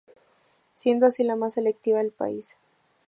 Siendo así la más selectiva del país.